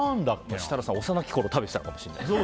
設楽さん、幼きころ食べてたかもしれないです。